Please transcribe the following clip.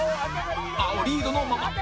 青リードのまま